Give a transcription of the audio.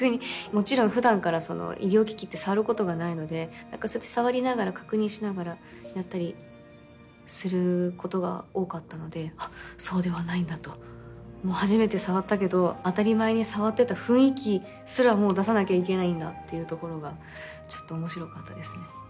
もちろん普段から医療機器って触ることがないので触りながら確認しながらやったりすることが多かったのでそうではないんだと初めて触ったけど当たり前に触ってた雰囲気すら出さなきゃいけないんだっていうところがちょっと面白かったですね。